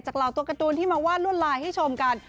เหล่าตัวการ์ตูนที่มาวาดลวดลายให้ชมกัน